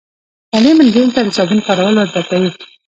تعلیم نجونو ته د صابون کارول ور زده کوي.